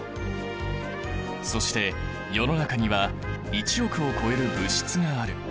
そして世の中には１億を超える物質がある。